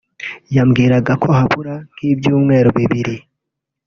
yambwiraga ko habura nk’ibyumweru bibiri